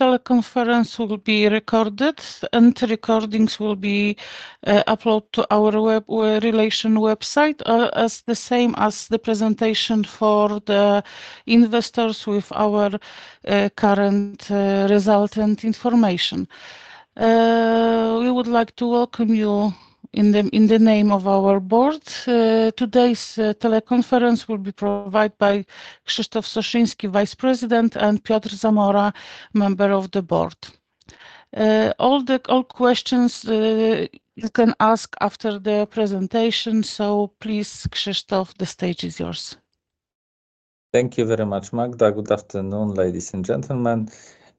The conference will be recorded, and recordings will be uploaded to our relations website, as the same as the presentation for the investors with our current result and information. We would like to welcome you in the name of our board. Today's teleconference will be provided by Krzysztof Soszyński, Vice President, and Piotr Zamora, Member of the Board. All questions you can ask after the presentation, so please, Krzysztof, the stage is yours. Thank you very much, Magda. Good afternoon, ladies and gentlemen.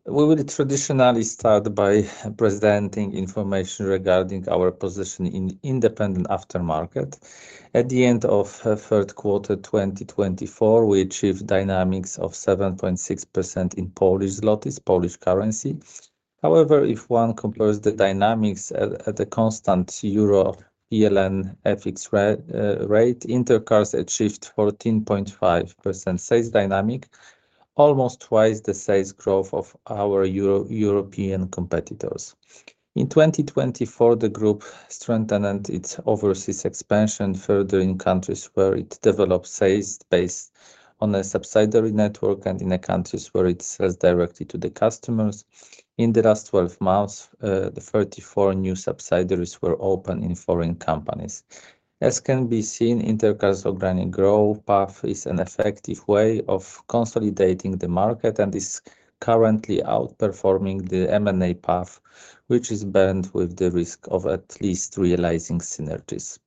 We will traditionally start by presenting information regarding our position in independent aftermarket. At the end of the third quarter 2024, we achieved dynamics of 7.6% in Polish złoty, Polish currency. However, if one compares the dynamics at the constant EUR/PLN FX rate, Inter Cars achieved 14.5% sales dynamic, almost twice the sales growth of our European competitors. In 2024, the group strengthened its overseas expansion further in countries where it developed sales based on a subsidiary network and in countries where it sells directly to the customers. In the last 12 months, 34 new subsidiaries were opened in foreign countries. As can be seen, Inter Cars' organic growth path is an effective way of consolidating the market and is currently outperforming the M&A path, which is fraught with the risk of not realizing synergies.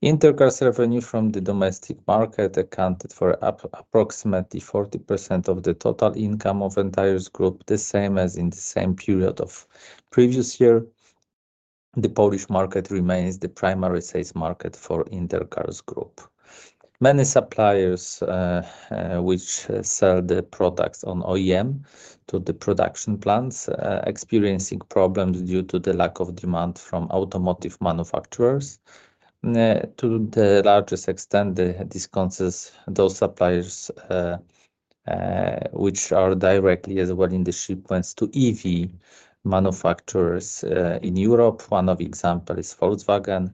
Inter Cars' revenue from the domestic market accounted for approximately 40% of the total income of the entire group, the same as in the same period of the previous year. The Polish market remains the primary sales market for Inter Cars Group. Many suppliers which sell the products to OEM to the production plants are experiencing problems due to the lack of demand from automotive manufacturers. To the largest extent, the discounts those suppliers which are directly as well in the shipments to EV manufacturers in Europe, one of the examples is Volkswagen,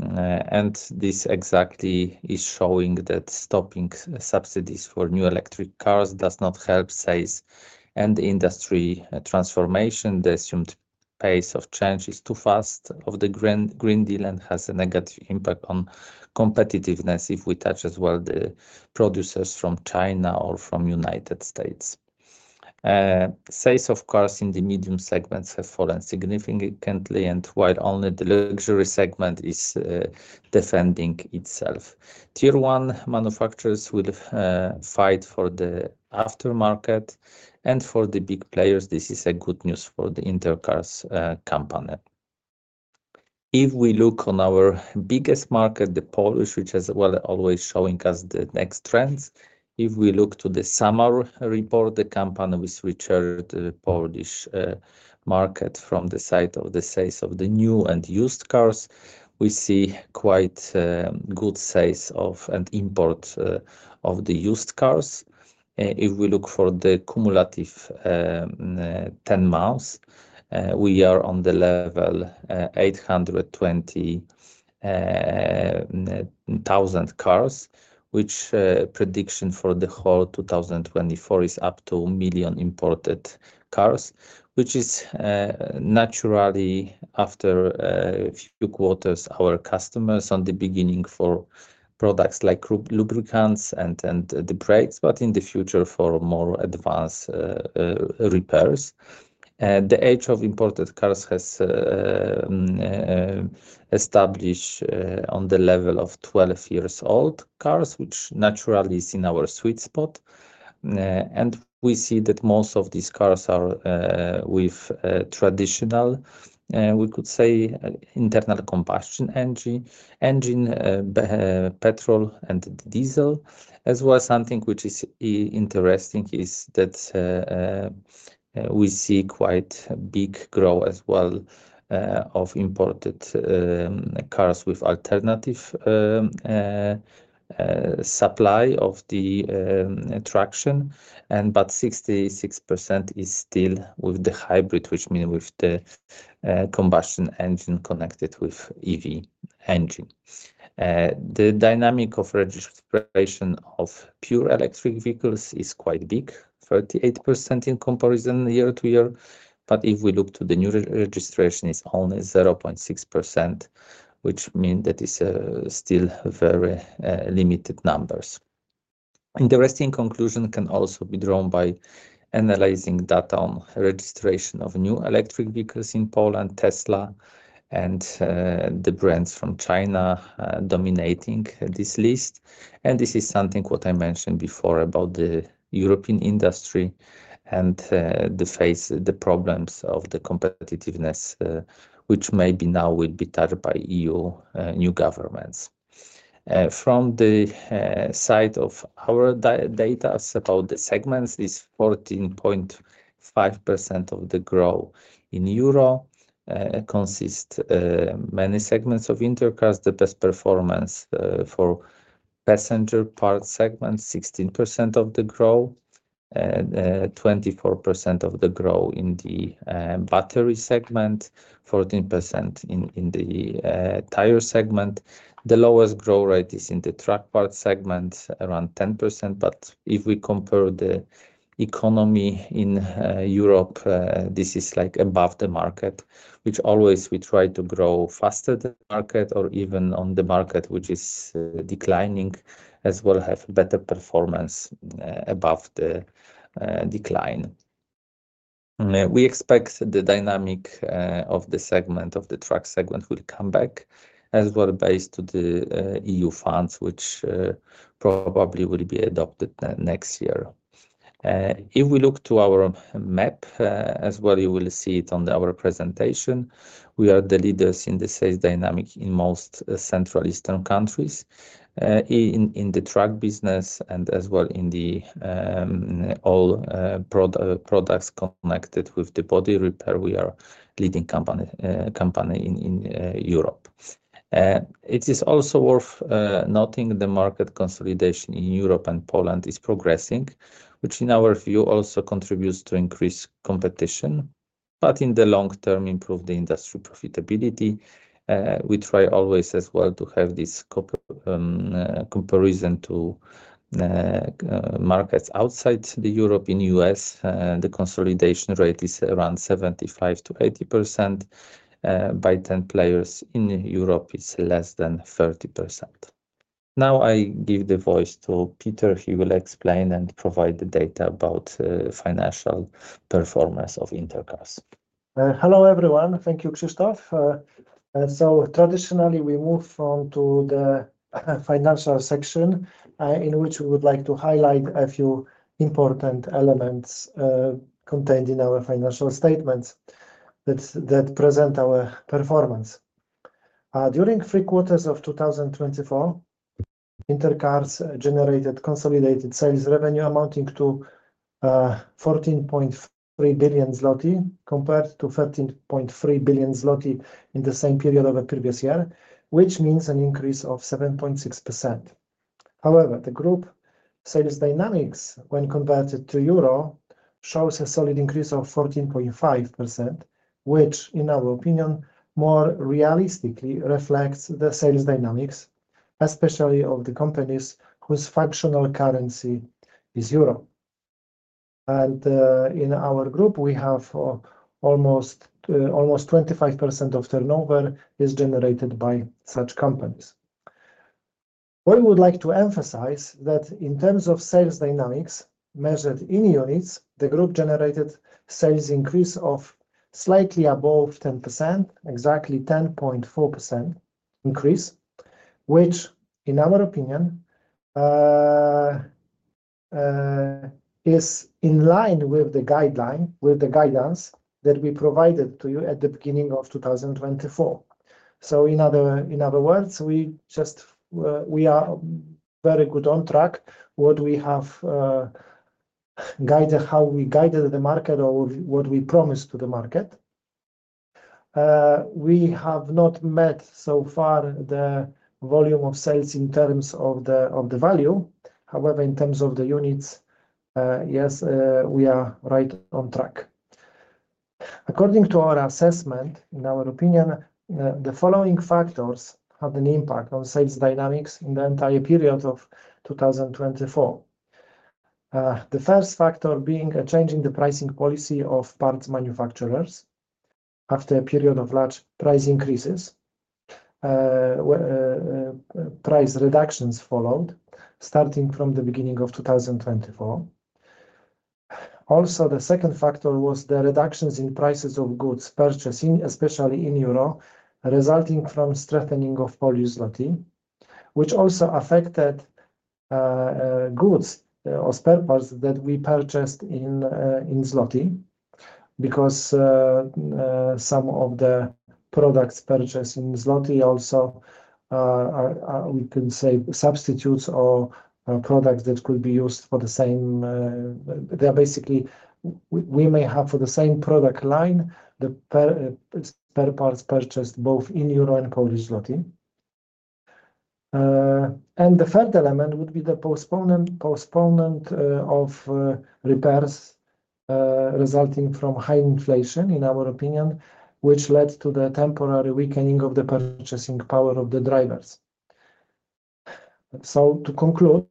and this exactly is showing that stopping subsidies for new electric cars does not help sales and industry transformation. The assumed pace of change is too fast of the Green Deal and has a negative impact on competitiveness if we touch as well the producers from China or from the United States. Sales, of course, in the medium segments have fallen significantly, and while only the luxury segment is defending itself, Tier One manufacturers will fight for the aftermarket, and for the big players, this is good news for the Inter Cars company. If we look on our biggest market, the Polish, which is always showing us the next trends, if we look to the Samar report, the company which shared the Polish market from the side of the sales of the new and used cars, we see quite good sales and import of the used cars. If we look for the cumulative 10 months, we are on the level 820,000 cars, which prediction for the whole 2024 is up to a million imported cars, which is naturally after a few quarters our customers on the beginning for products like lubricants and the brakes, but in the future for more advanced repairs. The age of imported cars has established on the level of 12 years old cars, which naturally is in our sweet spot, and we see that most of these cars are with traditional, we could say, internal combustion engine, petrol, and diesel. As well, something which is interesting is that we see quite big growth as well of imported cars with alternative supply of the traction, but 66% is still with the hybrid, which means with the combustion engine connected with EV engine. The dynamic of registration of pure electric vehicles is quite big, 38% in comparison year-to-year, but if we look to the new registration, it's only 0.6%, which means that it's still very limited numbers. Interesting conclusion can also be drawn by analyzing data on registration of new electric vehicles in Poland, Tesla, and the brands from China dominating this list. This is something what I mentioned before about the European industry and the problems of the competitiveness, which maybe now will be touched by EU new governments. From the side of our data about the segments, it's 14.5% of the growth in Euro consists of many segments of Inter Cars. The best performance for passenger part segment, 16% of the growth, 24% of the growth in the battery segment, 14% in the tire segment. The lowest growth rate is in the truck part segment, around 10%, but if we compare the economy in Europe, this is like above the market, which always we try to grow faster than the market or even on the market, which is declining as well, have better performance above the decline. We expect the dynamic of the segment of the truck segment will come back as well based on the EU funds, which probably will be adopted next year. If we look at our map as well, you will see it on our presentation. We are the leaders in the sales dynamic in most Central and Eastern countries. In the truck business and as well in all products connected with the body repair, we are a leading company in Europe. It is also worth noting the market consolidation in Europe and Poland is progressing, which in our view also contributes to increased competition, but in the long term, improve the industry profitability. We try always as well to have this comparison to markets outside Europe and the US. The consolidation rate is around 75%-80%. By the top 10 players in Europe, it's less than 30%. Now I give the voice to Piotr. He will explain and provide the data about financial performance of Inter Cars. Hello everyone. Thank you, Krzysztof. So traditionally, we move on to the financial section in which we would like to highlight a few important elements contained in our financial statements that present our performance. During three quarters of 2024, Inter Cars generated consolidated sales revenue amounting to 14.3 billion zloty compared to 13.3 billion zloty in the same period of the previous year, which means an increase of 7.6%. However, the group sales dynamics when converted to Euro shows a solid increase of 14.5%, which in our opinion, more realistically reflects the sales dynamics, especially of the companies whose functional currency is Euro. And in our group, we have almost 25% of turnover is generated by such companies. We would like to emphasize that in terms of sales dynamics measured in units, the group generated sales increase of slightly above 10%, exactly 10.4% increase, which in our opinion. is in line with the guidelines that we provided to you at the beginning of 2024, so in other words, we are very good on track with what we have guided, how we guided the market or what we promised to the market. We have not met so far the volume of sales in terms of the value. However, in terms of the units, yes, we are right on track. According to our assessment, in our opinion, the following factors had an impact on sales dynamics in the entire period of 2024. The first factor being a change in the pricing policy of parts manufacturers. After a period of large price increases, price reductions followed starting from the beginning of 2024. Also, the second factor was the reductions in prices of goods purchasing, especially in euro, resulting from strengthening of Polish złoty, which also affected goods or spare parts that we purchased in złoty because some of the products purchased in złoty also, we can say, substitutes or products that could be used for the same. Basically, we may have for the same product line, the spare parts purchased both in euro and Polish złoty. And the third element would be the postponement of repairs resulting from high inflation in our opinion, which led to the temporary weakening of the purchasing power of the drivers. So to conclude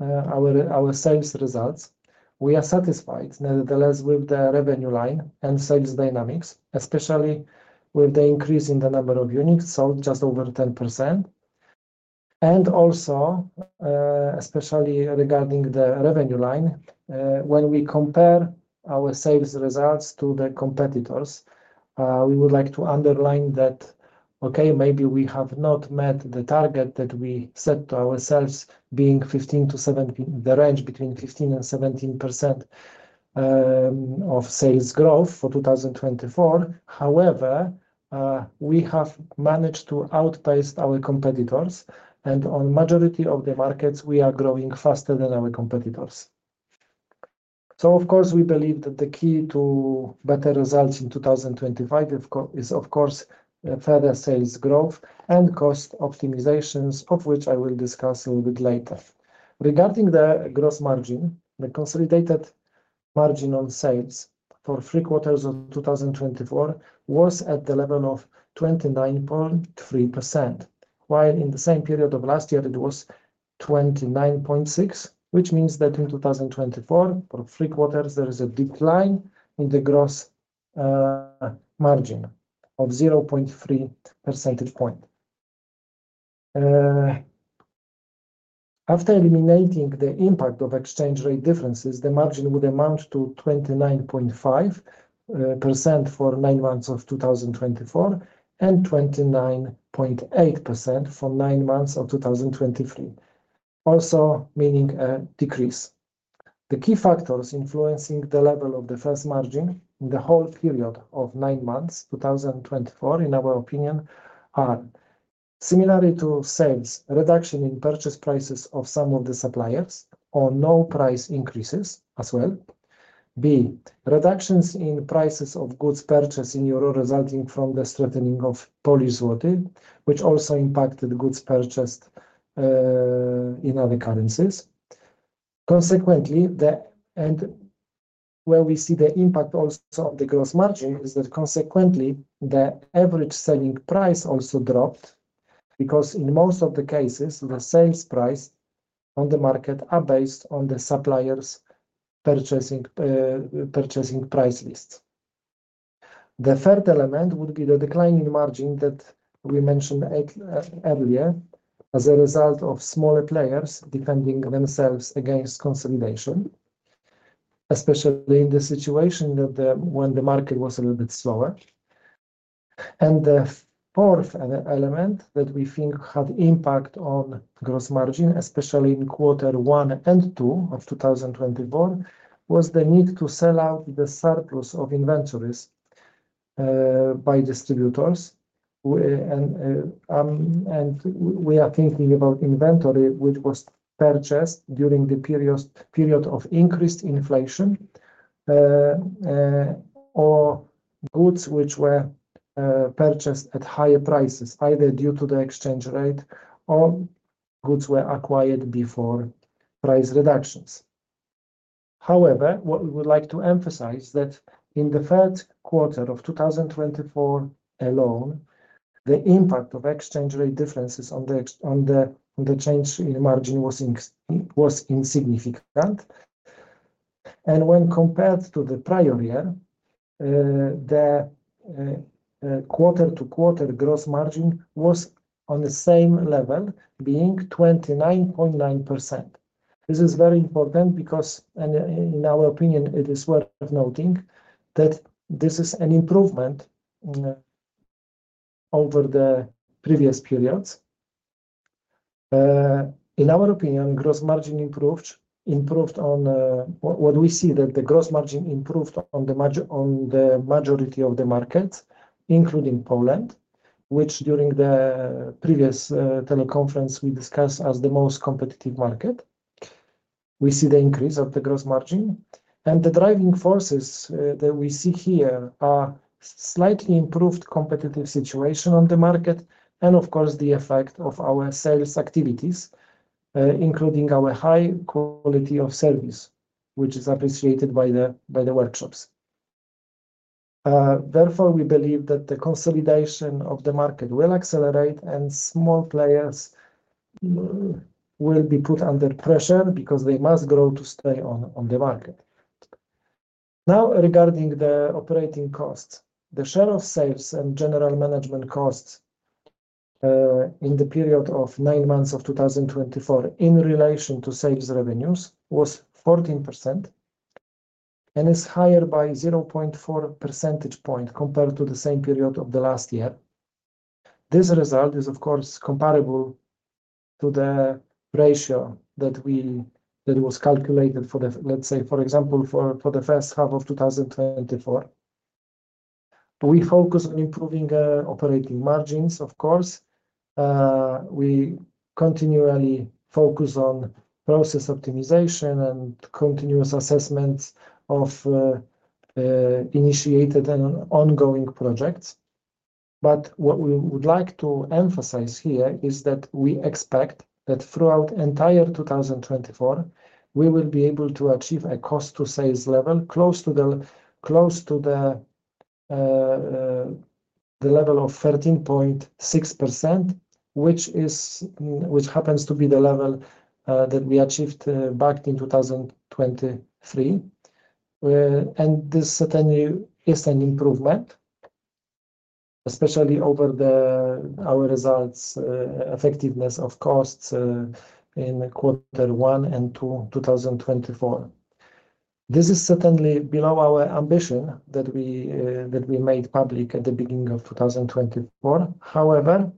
our sales results, we are satisfied nevertheless with the revenue line and sales dynamics, especially with the increase in the number of units sold, just over 10%. And also, especially regarding the revenue line, when we compare our sales results to the competitors, we would like to underline that, okay, maybe we have not met the target that we set to ourselves being 15%-17%, the range between 15% and 17% of sales growth for 2024. However, we have managed to outpace our competitors, and on the majority of the markets, we are growing faster than our competitors. So of course, we believe that the key to better results in 2025 is, of course, further sales growth and cost optimizations, of which I will discuss a little bit later. Regarding the gross margin, the consolidated margin on sales for three quarters of 2024 was at the level of 29.3%, while in the same period of last year, it was 29.6%, which means that in 2024, for three quarters, there is a decline in the gross margin of 0.3 percentage points. After eliminating the impact of exchange rate differences, the margin would amount to 29.5% for nine months of 2024 and 29.8% for nine months of 2023, also meaning a decrease. The key factors influencing the level of the gross margin in the whole period of nine months 2024, in our opinion, are similar to sales, reduction in purchase prices of some of the suppliers, or no price increases as well. Reductions in prices of goods purchased in euro resulting from the strengthening of Polish złoty, which also impacted goods purchased in other currencies. Consequently, where we see the impact also of the gross margin is that consequently, the average selling price also dropped because in most of the cases, the sales price on the market are based on the suppliers' purchasing price lists. The third element would be the declining margin that we mentioned earlier as a result of smaller players defending themselves against consolidation, especially in the situation when the market was a little bit slower. The fourth element that we think had impact on gross margin, especially in quarter one and two of 2024, was the need to sell out the surplus of inventories by distributors. We are thinking about inventory which was purchased during the period of increased inflation or goods which were purchased at higher prices, either due to the exchange rate or goods were acquired before price reductions. However, what we would like to emphasize is that in the third quarter of 2024 alone, the impact of exchange rate differences on the change in margin was insignificant. And when compared to the prior year, the quarter-to-quarter Gross Margin was on the same level, being 29.9%. This is very important because, in our opinion, it is worth noting that this is an improvement over the previous periods. In our opinion, Gross Margin improved on what we see: that the Gross Margin improved on the majority of the markets, including Poland, which during the previous teleconference we discussed as the most competitive market. We see the increase of the Gross Margin. And the driving forces that we see here are slightly improved competitive situation on the market and, of course, the effect of our sales activities, including our high quality of service, which is appreciated by the workshops. Therefore, we believe that the consolidation of the market will accelerate and small players will be put under pressure because they must grow to stay on the market. Now, regarding the operating costs, the share of sales and general management costs in the period of nine months of 2024 in relation to sales revenues was 14% and is higher by 0.4 percentage point compared to the same period of the last year. This result is, of course, comparable to the ratio that was calculated for the, let's say, for example, for the first half of 2024. We focus on improving operating margins, of course. We continually focus on process optimization and continuous assessments of initiated and ongoing projects. But what we would like to emphasize here is that we expect that throughout the entire 2024, we will be able to achieve a cost-to-sales level close to the level of 13.6%, which happens to be the level that we achieved back in 2023, and this certainly is an improvement, especially over our results, effectiveness of costs in quarter one and two 2024. This is certainly below our ambition that we made public at the beginning of 2024. However,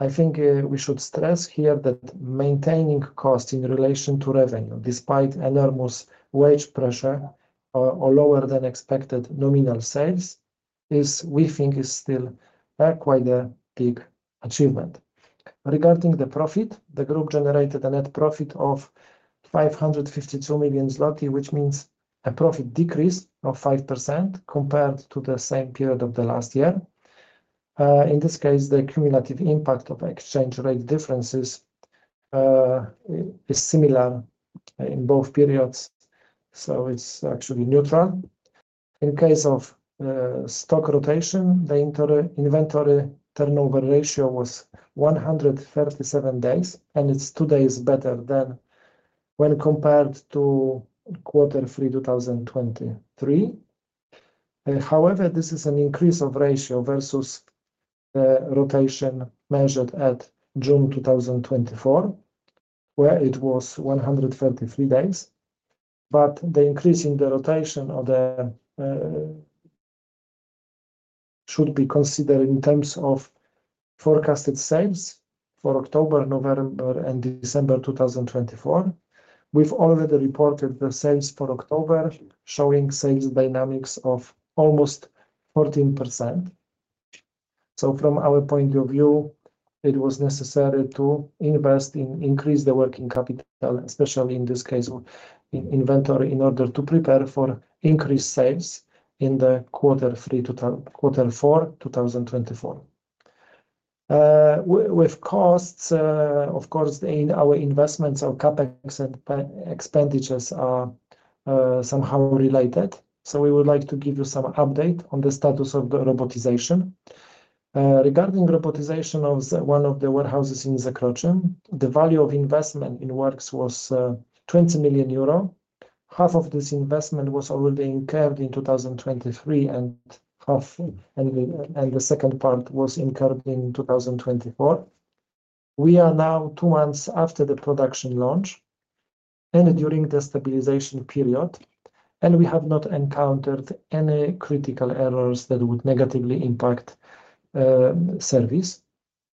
I think we should stress here that maintaining costs in relation to revenue, despite enormous wage pressure or lower than expected nominal sales, we think is still quite a big achievement. Regarding the profit, the group generated a net profit of 552 million zloty, which means a profit decrease of 5% compared to the same period of the last year. In this case, the cumulative impact of exchange rate differences is similar in both periods, so it's actually neutral. In case of stock rotation, the inventory turnover ratio was 137 days, and it's two days better than when compared to quarter three 2023. However, this is an increase of ratio versus the rotation measured at June 2024, where it was 133 days. But the increase in the rotation should be considered in terms of forecasted sales for October, November, and December 2024. We've already reported the sales for October showing sales dynamics of almost 14%. So from our point of view, it was necessary to invest in increasing the working capital, especially in this case inventory, in order to prepare for increased sales in the quarter three to quarter four 2024. With costs, of course, in our investments, our CapEx and expenditures are somehow related. We would like to give you some update on the status of the robotization. Regarding robotization of one of the warehouses in Zakroczym, the value of investment in works was 20 million euro. Half of this investment was already incurred in 2023, and the second part was incurred in 2024. We are now two months after the production launch and during the stabilization period, and we have not encountered any critical errors that would negatively impact service.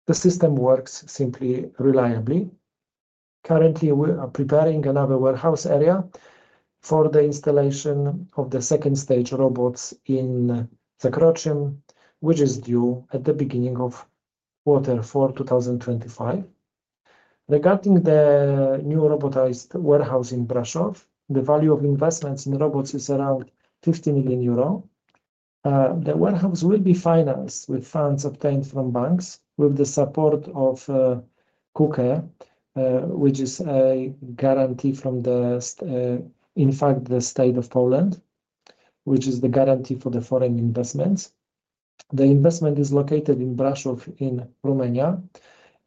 The system works simply reliably. Currently, we are preparing another warehouse area for the installation of the second stage robots in Zakroczym, which is due at the beginning of quarter four 2025. Regarding the new robotized warehouse in Brașov, the value of investments in robots is around 50 million euro. The warehouse will be financed with funds obtained from banks with the support of KUKE, which is a guarantee from, in fact, the State of Poland, which is the guarantee for the foreign investments. The investment is located in Brașov in Romania,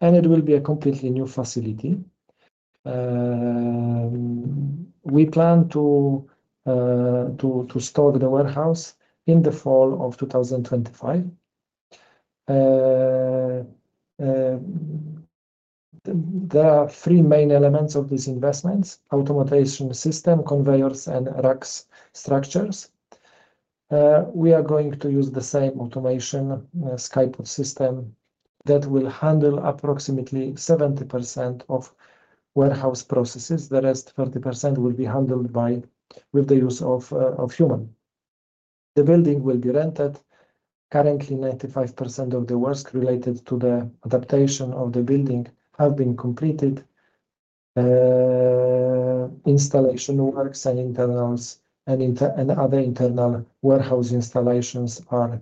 and it will be a completely new facility. We plan to stock the warehouse in the fall of 2025. There are three main elements of these investments: automation system, conveyors, and racks structures. We are going to use the same automation Skypod system that will handle approximately 70% of warehouse processes. The rest 30% will be handled with the use of human. The building will be rented. Currently, 95% of the works related to the adaptation of the building have been completed. Installation works and internals and other internal warehouse installations are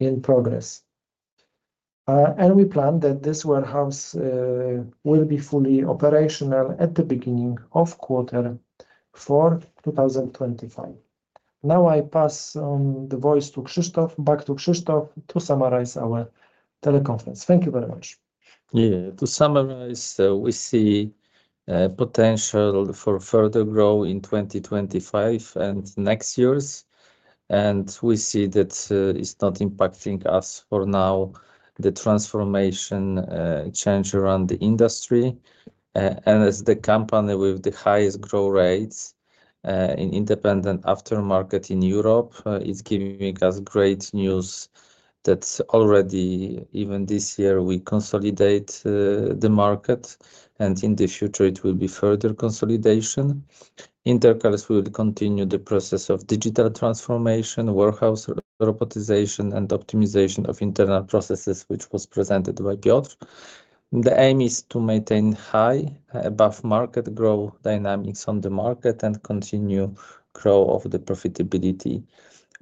in progress. And we plan that this warehouse will be fully operational at the beginning of quarter four 2025. Now I pass on the voice to Krzysztof, back to Krzysztof, to summarize our teleconference. Thank you very much. Yeah, to summarize, we see potential for further growth in 2025 and next years. And we see that it's not impacting us for now, the transformation change around the industry. And as the company with the highest growth rates in independent aftermarket in Europe, it's giving us great news that already even this year we consolidate the market, and in the future, it will be further consolidation. In their case, we will continue the process of digital transformation, warehouse robotization, and optimization of internal processes, which was presented by Piotr. The aim is to maintain high above-market growth dynamics on the market and continue growth of the profitability.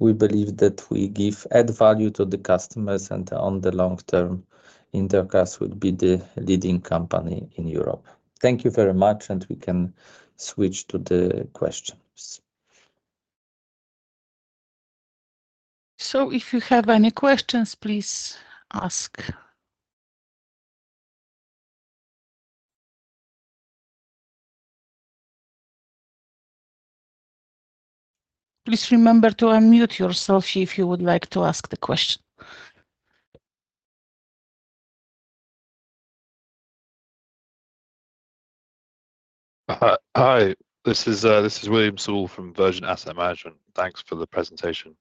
We believe that we give added value to the customers, and in the long term, in their case, would be the leading company in Europe. Thank you very much, and we can switch to the questions. So if you have any questions, please ask. Please remember to unmute yourself if you would like to ask the question. Hi, this is William Sewell from Vergent Asset Management. Thanks for the presentation.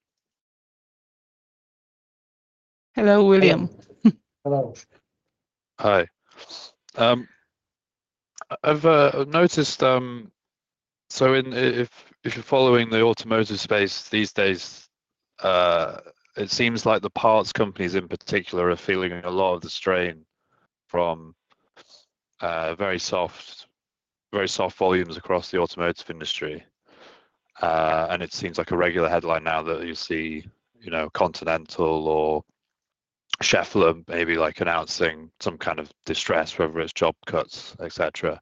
Hello, William. Hello. Hi. I've noticed, so if you're following the automotive space these days, it seems like the parts companies in particular are feeling a lot of the strain from very soft volumes across the automotive industry. And it seems like a regular headline now that you see Continental or Schaeffler maybe announcing some kind of distress, whether it's job cuts, etc.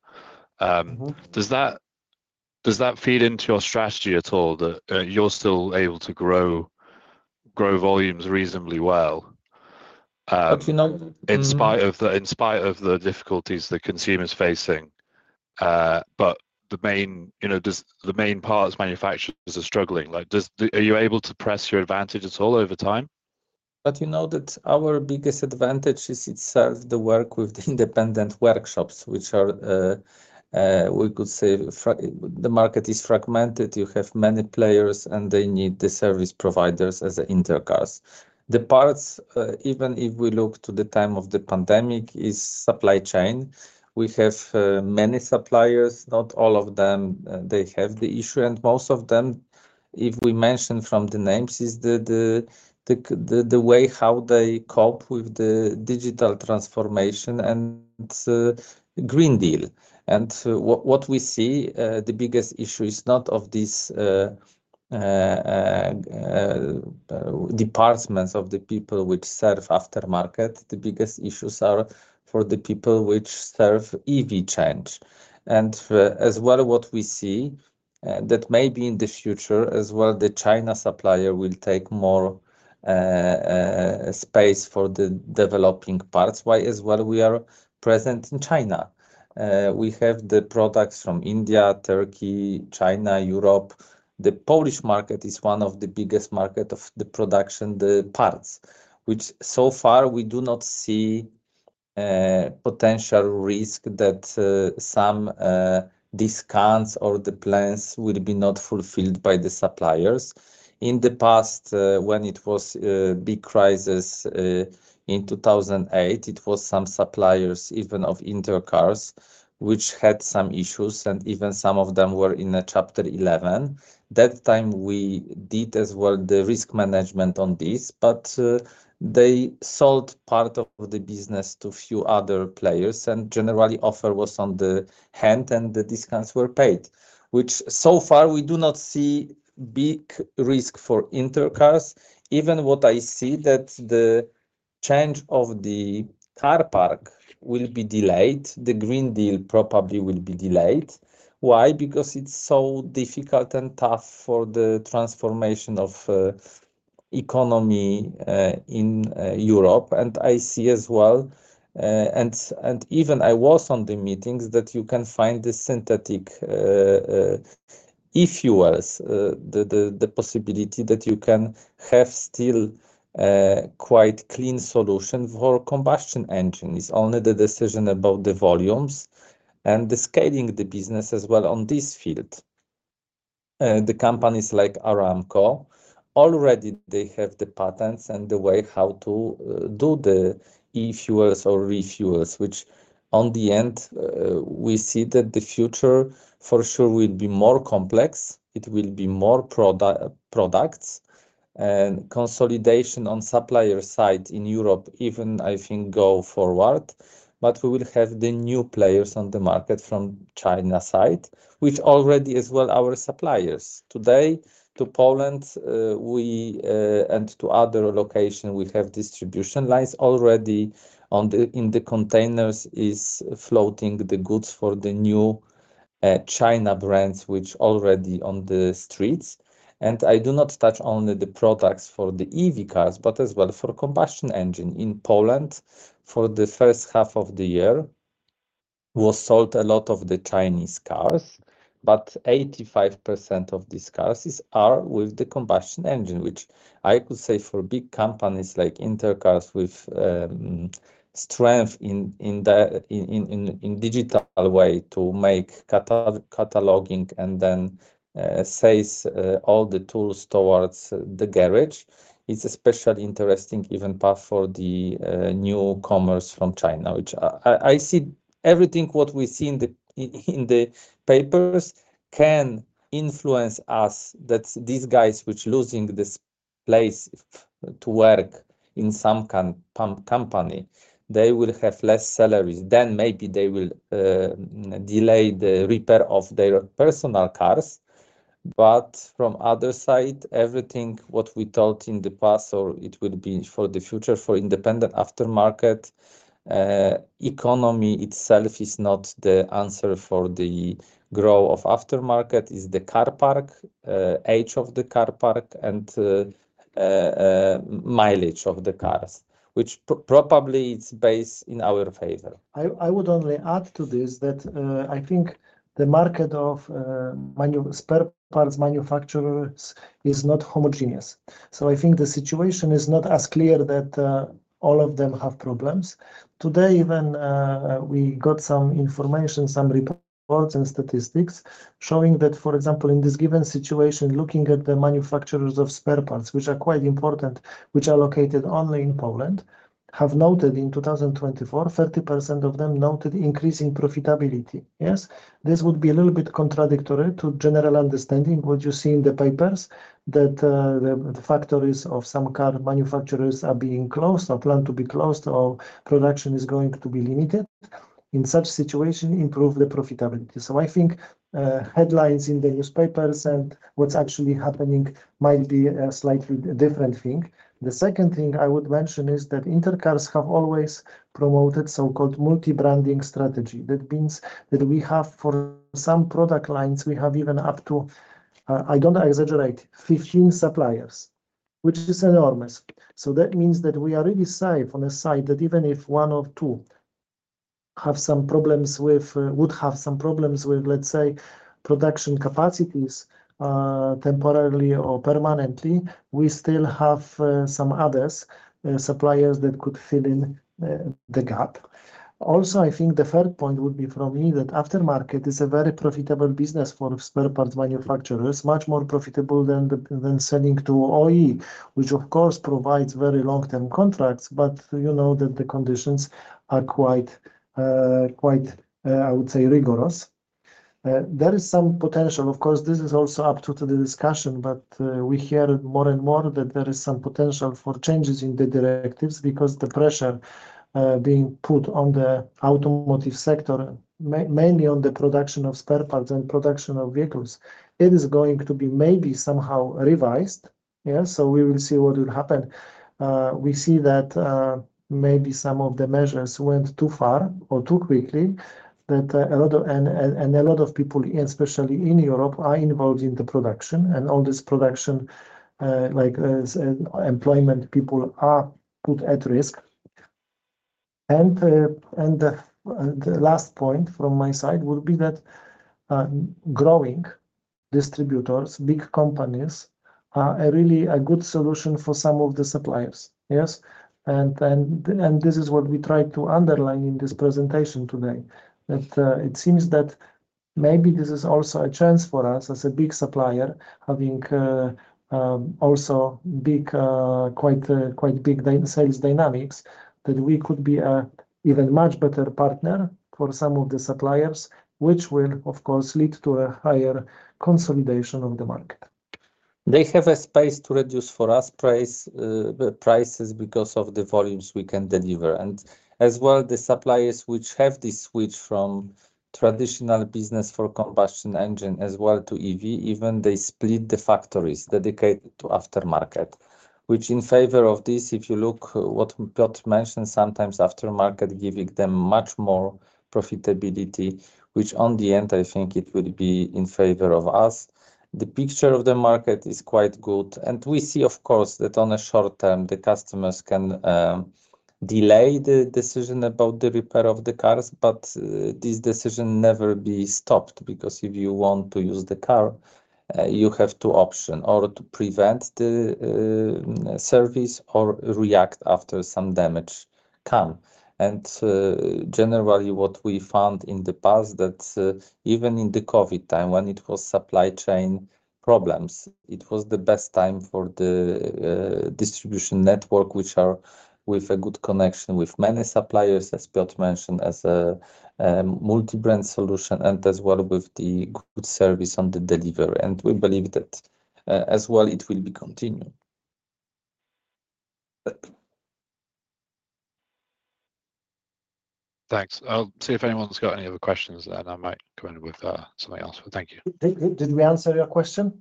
Does that feed into your strategy at all that you're still able to grow volumes reasonably well in spite of the difficulties the consumer is facing? But the main parts manufacturers are struggling. Are you able to press your advantage at all over time? But you know that our biggest advantage is itself the work with the independent workshops, which are we could say the market is fragmented. You have many players, and they need the service providers as Inter Cars. The parts, even if we look to the time of the pandemic, is supply chain. We have many suppliers, not all of them. They have the issue. And most of them, if we mention from the names, is the way how they cope with the digital transformation and Green Deal. And what we see, the biggest issue is not of these departments of the people which serve aftermarket. The biggest issues are for the people which serve EV change. And as well, what we see that maybe in the future as well, the China supplier will take more space for the developing parts. Why as well we are present in China? We have the products from India, Turkey, China, Europe. The Polish market is one of the biggest markets of the production, the parts, which so far we do not see potential risk that some discounts or the plans will be not fulfilled by the suppliers. In the past, when it was a big crisis in 2008, it was some suppliers even of Inter Cars which had some issues, and even some of them were in a Chapter 11. That time, we did as well the risk management on this, but they sold part of the business to a few other players, and generally, the offer was on the hand, and the discounts were paid, which so far we do not see a big risk for Inter Cars. Even what I see that the change of the car park will be delayed. The Green Deal probably will be delayed. Why? Because it's so difficult and tough for the transformation of the economy in Europe. And I see as well, and even I was on the meetings that you can find the synthetic if you will, the possibility that you can have still quite clean solution for combustion engine. It's only the decision about the volumes and the scaling of the business as well on this field. The companies like Aramco already they have the patents and the way how to do the e-fuels or refuels, which in the end, we see that the future for sure will be more complex. It will be more products and consolidation on the supplier side in Europe, even I think go forward. But we will have the new players on the market from China side, which already as well our suppliers. Today, to Poland and to other locations, we have distribution lines already in the containers floating the goods for the new China brands, which are already on the streets. And I do not touch only the products for the EV cars, but as well for combustion engine. In Poland, for the first half of the year, was sold a lot of the Chinese cars, but 85% of these cars are with the combustion engine, which I could say for big companies like Inter Cars with strength in the digital way to make cataloging and then has all the tools towards the garage. It's especially interesting even for the newcomers from China, which I see everything what we see in the papers can influence us that these guys which are losing this place to work in some company. They will have less salaries. Then maybe they will delay the repair of their personal cars. But from the other side, everything what we thought in the past or it will be for the future for independent aftermarket economy itself is not the answer for the growth of aftermarket. It's the car park, age of the car park, and mileage of the cars, which probably it's based in our favor. I would only add to this that I think the market of spare parts manufacturers is not homogeneous. So I think the situation is not as clear that all of them have problems. Today, even we got some information, some reports and statistics showing that, for example, in this given situation, looking at the manufacturers of spare parts, which are quite important, which are located only in Poland, have noted in 2024, 30% of them noted increasing profitability. Yes, this would be a little bit contradictory to general understanding what you see in the papers that the factories of some car manufacturers are being closed or planned to be closed or production is going to be limited. In such situation, improve the profitability. So I think headlines in the newspapers and what's actually happening might be a slightly different thing. The second thing I would mention is that Inter Cars have always promoted so-called multi-branding strategy. That means that we have for some product lines, we have even up to, I don't exaggerate, 15 suppliers, which is enormous. So that means that we are really safe on that side that even if one or two have some problems with, would have some problems with, let's say, production capacities temporarily or permanently, we still have some other suppliers that could fill in the gap. Also, I think the third point would be for me that aftermarket is a very profitable business for spare parts manufacturers, much more profitable than selling to OE, which of course provides very long-term contracts, but you know that the conditions are quite, I would say, rigorous. There is some potential, of course. This is also up to the discussion, but we hear more and more that there is some potential for changes in the directives because the pressure being put on the automotive sector, mainly on the production of spare parts and production of vehicles, it is going to be maybe somehow revised. Yeah, so we will see what will happen. We see that maybe some of the measures went too far or too quickly, that a lot of people, especially in Europe, are involved in the production, and all this production, like employment, people are put at risk, and the last point from my side would be that growing distributors, big companies are really a good solution for some of the suppliers. Yes. This is what we tried to underline in this presentation today, that it seems that maybe this is also a chance for us as a big supplier, having also quite big sales dynamics, that we could be an even much better partner for some of the suppliers, which will, of course, lead to a higher consolidation of the market. They have a space to reduce for us prices because of the volumes we can deliver. And as well, the suppliers which have this switch from traditional business for combustion engine as well to EV, even they split the factories dedicated to aftermarket, which in favor of this, if you look what Piotr mentioned, sometimes aftermarket giving them much more profitability, which on the end, I think it would be in favor of us. The picture of the market is quite good. We see, of course, that on a short term, the customers can delay the decision about the repair of the cars, but this decision never be stopped because if you want to use the car, you have two options: or to prevent the service or react after some damage come. And generally, what we found in the past that even in the COVID time, when it was supply chain problems, it was the best time for the distribution network, which are with a good connection with many suppliers, as Piotr mentioned, as a multi-brand solution, and as well with the good service on the delivery. And we believe that as well it will be continued. Thanks. I'll see if anyone's got any other questions, and I might come in with something else. Thank you. Did we answer your question?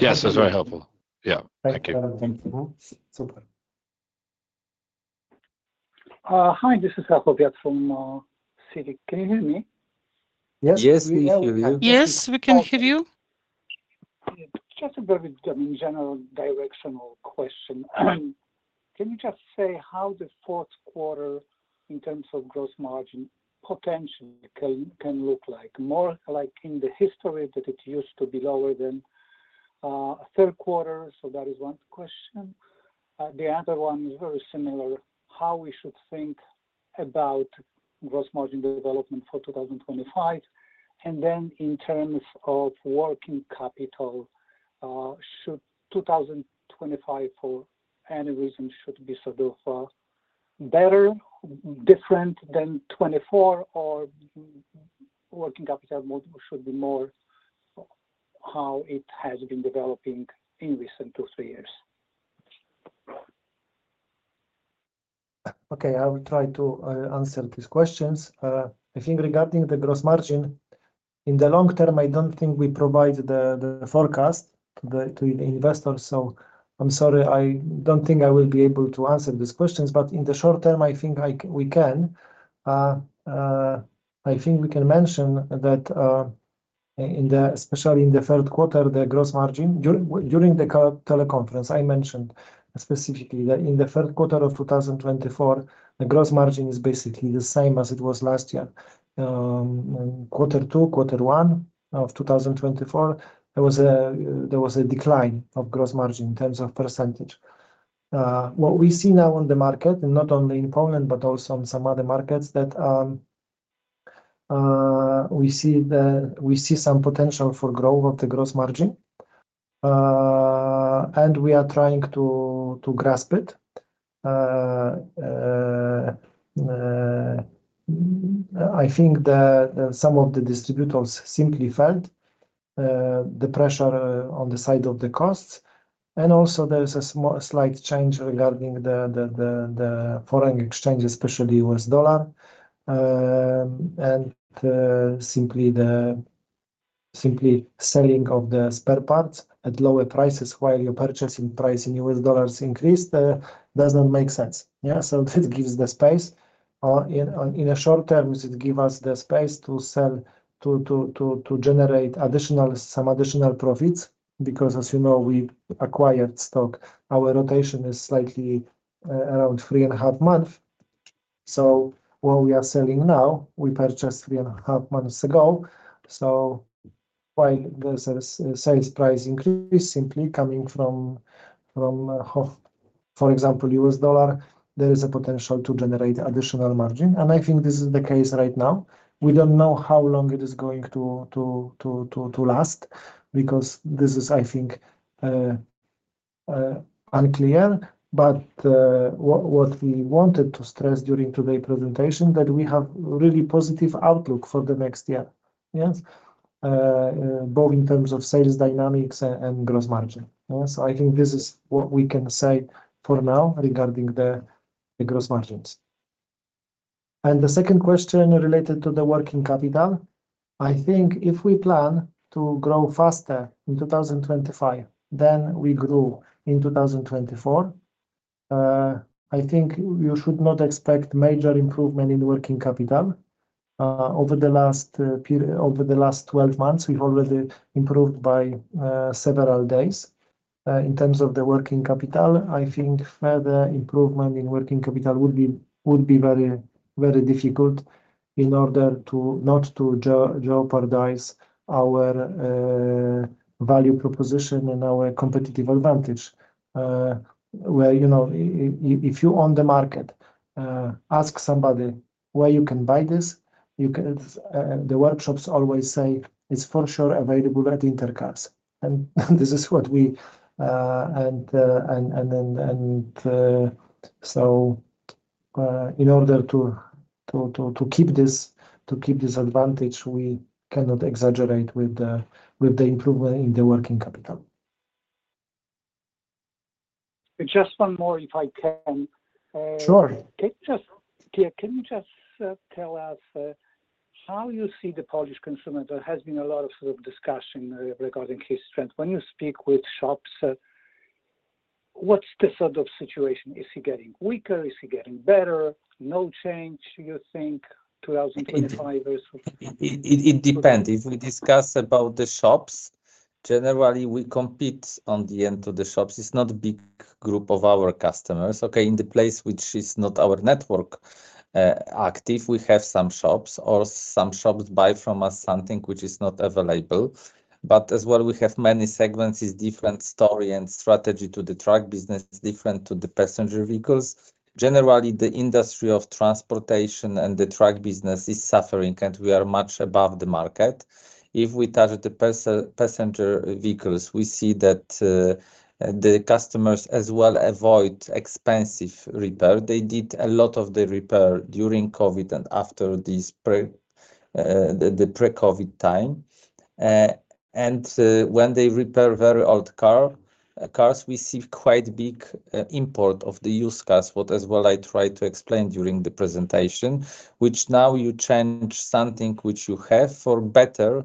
Yes, that was very helpful. Yeah. Thank you. Thank you. Super. Hi, this is. Can you hear me? Yes, we hear you. Yes, we can hear you. Just a very general directional question. Can you just say how the fourth quarter in terms of gross margin potentially can look like, more like in the history that it used to be lower than third quarter? So that is one question. The other one is very similar, how we should think about gross margin development for 2025. And then in terms of working capital, should 2025 for any reason should be sort of better, different than 2024, or working capital should be more how it has been developing in recent two or three years? Okay, I will try to answer these questions. I think regarding the gross margin, in the long term, I don't think we provide the forecast to the investors. So, I'm sorry. I don't think I will be able to answer these questions. But in the short term, I think we can. I think we can mention that especially in the third quarter, the gross margin during the teleconference. I mentioned specifically that in the third quarter of 2024, the gross margin is basically the same as it was last year. Quarter two, quarter one of 2024, there was a decline of gross margin in terms of percentage. What we see now on the market, and not only in Poland, but also in some other markets, that we see some potential for growth of the gross margin, and we are trying to grasp it. I think that some of the distributors simply felt the pressure on the side of the costs. And also there's a slight change regarding the foreign exchange, especially U.S. dollar. And simply selling of the spare parts at lower prices while your purchasing price in US dollars increased does not make sense. Yeah, so that gives the space. In a short term, it gives us the space to sell, to generate some additional profits because, as you know, we acquired stock. Our rotation is slightly around three and a half months. So what we are selling now, we purchased three and a half months ago. So while there's a sales price increase simply coming from, for example, US dollar, there is a potential to generate additional margin. And I think this is the case right now. We don't know how long it is going to last because this is, I think, unclear. But what we wanted to stress during today's presentation is that we have a really positive outlook for the next year, both in terms of sales dynamics and Gross Margin. So I think this is what we can say for now regarding the Gross Margins. And the second question related to the working capital, I think if we plan to grow faster in 2025 than we grew in 2024, I think you should not expect major improvement in working capital. Over the last 12 months, we've already improved by several days. In terms of the working capital, I think further improvement in working capital would be very difficult in order not to jeopardize our value proposition and our competitive advantage. If you own the market, ask somebody where you can buy this. The workshops always say it's for sure available at Inter Cars. And this is what we and so in order to keep this advantage, we cannot exaggerate with the improvement in the working capital. Just one more, if I can. Sure. Can you just tell us how you see the Polish consumer? There has been a lot of sort of discussion regarding his strength. When you speak with shops, what's the sort of situation? Is he getting weaker? Is he getting better? No change, you think, 2025 versus? It depends. If we discuss about the shops, generally, we compete on the end of the shops. It's not a big group of our customers. Okay, in the place which is not our network active, we have some shops or some shops buy from us something which is not available. But as well, we have many segments, different story and strategy to the truck business, different to the passenger vehicles. Generally, the industry of transportation and the truck business is suffering, and we are much above the market. If we touch the passenger vehicles, we see that the customers as well avoid expensive repair. They did a lot of the repair during COVID and after the pre-COVID time, and when they repair very old cars, we see quite big import of the used cars, what as well I tried to explain during the presentation, which now you change something which you have for better,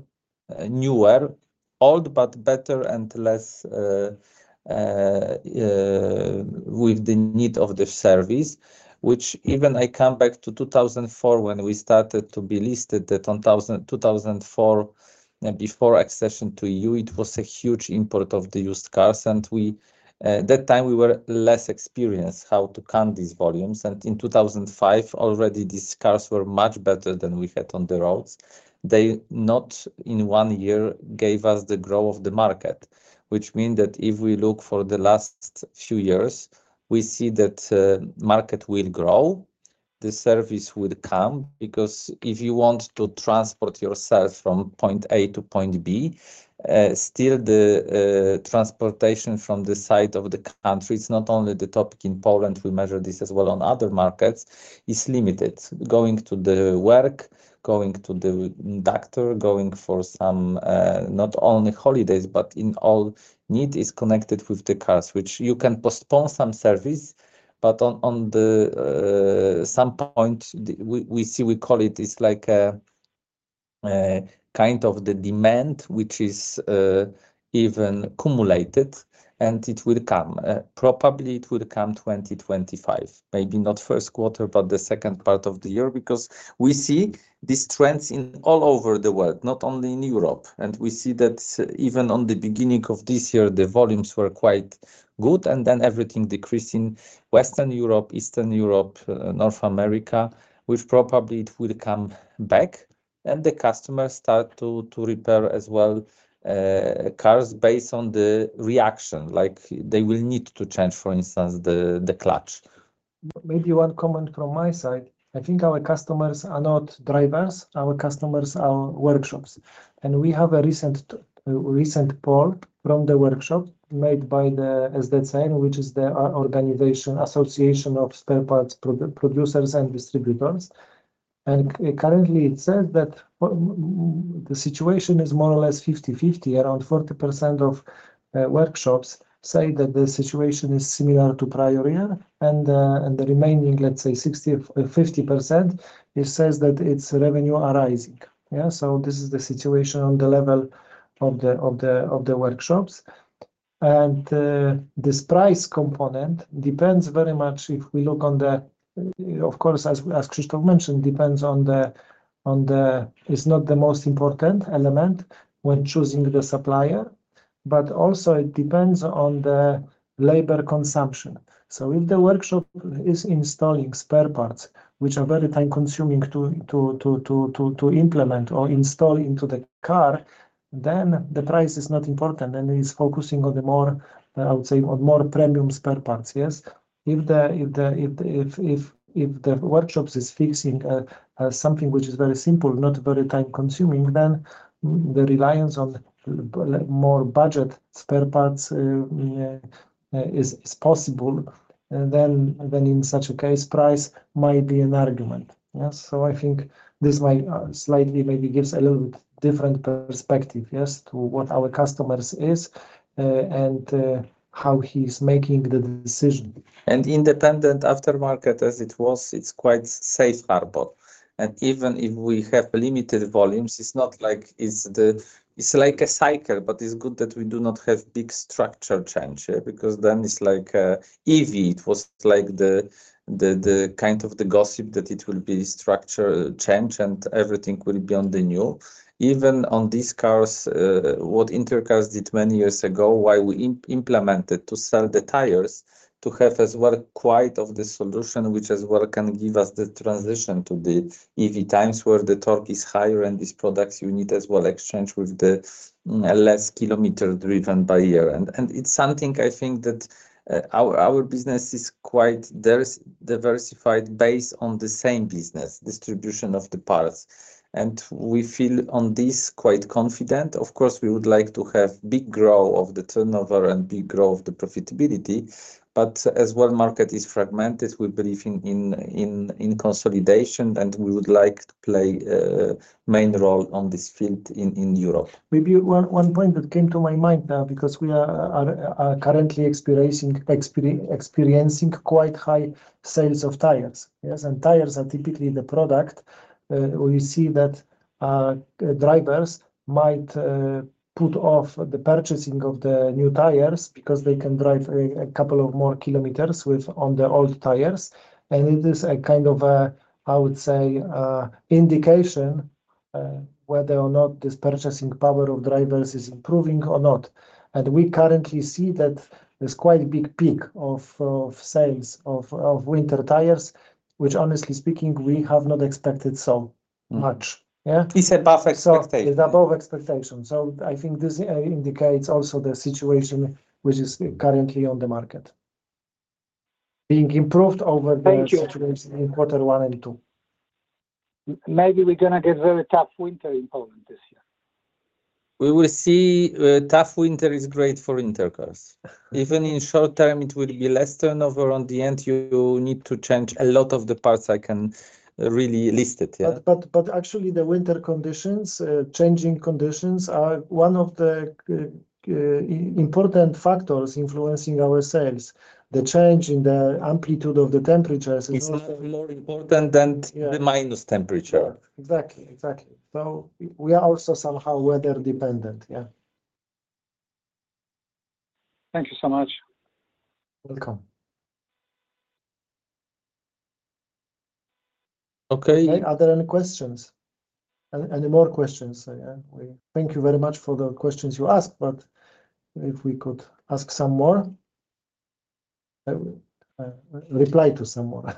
newer, old, but better and less with the need of the service, which even I come back to 2004 when we started to be listed that in 2004, before accession to EU, it was a huge import of the used cars, and at that time, we were less experienced how to count these volumes. In 2005, already these cars were much better than we had on the roads. They not in one year gave us the growth of the market, which means that if we look for the last few years, we see that the market will grow, the service will come because if you want to transport yourself from point A to point B, still the transportation from the side of the country, it's not only the topic in Poland. We measure this as well on other markets, is limited. Going to the work, going to the doctor, going for some not only holidays, but in all need is connected with the cars, which you can postpone some service, but on some point, we see we call it it's like a kind of the demand, which is even cumulated, and it will come. Probably it will come 2025, maybe not first quarter, but the second part of the year because we see these trends all over the world, not only in Europe. And we see that even at the beginning of this year, the volumes were quite good, and then everything decreased in Western Europe, Eastern Europe, North America, which probably it will come back, and the customers start to repair as well cars based on the reaction, like they will need to change, for instance, the clutch. Maybe one comment from my side. I think our customers are not drivers. Our customers are workshops. And we have a recent poll from the workshop made by the SDCM, which is the organization Association of Distributors and Manufacturers of Automotive Parts. And currently, it says that the situation is more or less 50-50. Around 40% of workshops say that the situation is similar to prior year, and the remaining, let's say, 50%, it says that its revenue are rising. Yeah, so this is the situation on the level of the workshops. And this price component depends very much if we look on the, of course, as Krzysztof mentioned, depends on the, it's not the most important element when choosing the supplier, but also it depends on the labor consumption. So if the workshop is installing spare parts, which are very time-consuming to implement or install into the car, then the price is not important and is focusing on the more, I would say, on more premium spare parts, yes? If the workshop is fixing something which is very simple, not very time-consuming, then the reliance on more budget spare parts is possible. Then in such a case, price might be an argument. So I think this might slightly maybe gives a little bit different perspective, yes, to what our customers is and how he's making the decision. And independent aftermarket, as it was, it's quite safe harbor. And even if we have limited volumes, it's not like it's like a cycle, but it's good that we do not have big structure change because then it's like EV. It was like the kind of the gossip that it will be structure change and everything will be on the new. Even on these cars, what Inter Cars did many years ago, why we implemented to sell the tires to have as well quite a solution, which as well can give us the transition to the EV times where the torque is higher and these products you need as well exchange with the less kilometer driven by year. It's something I think that our business is quite diversified based on the same business, distribution of the parts. We feel on this quite confident. Of course, we would like to have big growth of the turnover and big growth of the profitability, but as well market is fragmented. We believe in consolidation and we would like to play a main role on this field in Europe. Maybe one point that came to my mind now because we are currently experiencing quite high sales of tires, yes? Tires are typically the product we see that drivers might put off the purchasing of the new tires because they can drive a couple of more kilometers on the old tires. It is a kind of, I would say, indication whether or not this purchasing power of drivers is improving or not. We currently see that there's quite a big peak of sales of winter tires, which honestly speaking, we have not expected so much. Yeah? He said above expectation. It's above expectation. I think this indicates also the situation which is currently on the market being improved over the situation in quarter one and two. Maybe we're going to get very tough winter in Poland this year. We will see tough winter is great for Inter Cars. Even in short term, it will be less turnover on the end. You need to change a lot of the parts I can really list it. But actually, the winter conditions, changing conditions are one of the important factors influencing our sales. The change in the amplitude of the temperatures is more important than the minus temperature. Exactly. Exactly. We are also somehow weather dependent. Yeah. Thank you so much. Welcome. Okay. Are there any questions? Any more questions? Thank you very much for the questions you asked, but if we could ask some more, reply to some more.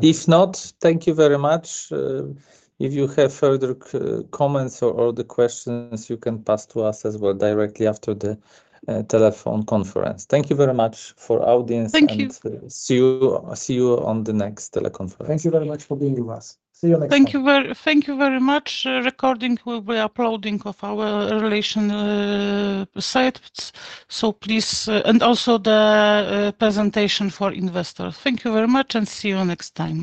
If not, thank you very much. If you have further comments or questions, you can pass them to us as well directly after the telephone conference. Thank you very much for the audience. Thank you, and see you on the next teleconference. Thank you very much for being with us. See you next time. Thank you very much. The recording will be uploaded to our investor relations sites. So please, and also the presentation for investors. Thank you very much and see you next time.